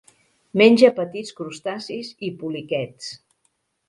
Menja petits crustacis i poliquets.